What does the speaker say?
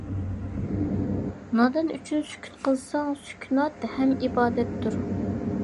نادان ئۈچۈن سۈكۈت قىلساڭ، سۈكۈنات ھەم ئىبادەتتۇر.